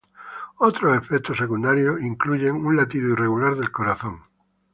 Otros efectos secundarios incluyen un latido irregular del corazón.